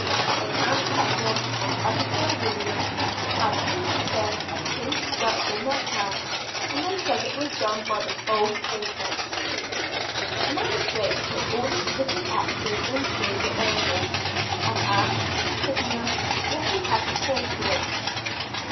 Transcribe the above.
Then Ann Putnam and Abigail Williams "had each of them a pin stuck in their hands and they said it was done by this old Jacobs." The Magistrates took all this wicked acting in sober earnest; and asked the prisoner, "what he had to say to it?"